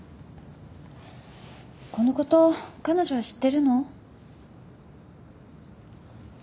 このこと彼女は知ってるの？